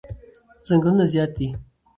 چنگلونه زیاد دی